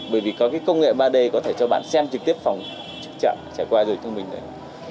bởi vì có công nghệ ba d có thể cho bạn xem trực tiếp phòng trực chậm trải qua rồi thông minh đấy